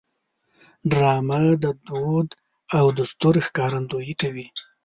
ډرامه د دود او دستور ښکارندویي کوي